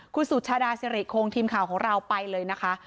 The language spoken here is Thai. คุณสุชาดาสิริคงทีมข่าวของเราไปเลยนะคะ